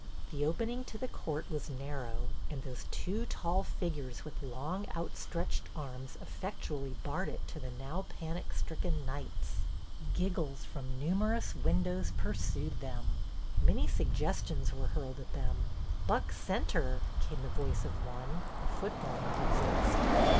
The opening to the court was narrow, and those two tall figures with long out stretched arms effectually barred it to the now panic stricken knights. Giggles from numerous windows 2^ursued them. Many suggestions were hurled at them. " Buck centre," came the voice of one, a football enthusiast.